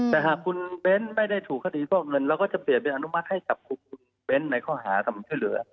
แต่หากคุณเบ้นไม่ได้ถูกคดีฟอกเงินเราก็จะเปลี่ยนเป็นอนุมัติให้กับคุณเบ้นในข้อหาทำช่วยเหลือ